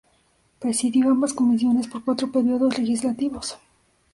Presidió ambas Comisiones por cuatro períodos legislativos.